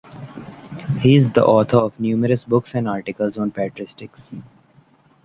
He is the author of numerous books and articles on patristics.